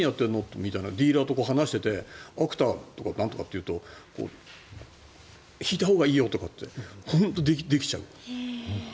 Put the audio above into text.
みたいなディーラーと話していてアクターとかって言うと引いたほうがいいよって本当にできちゃう。